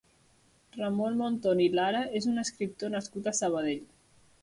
Ramon Monton i Lara és un escriptor nascut a Sabadell.